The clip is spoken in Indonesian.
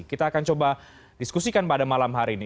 kita akan coba diskusikan pada malam hari ini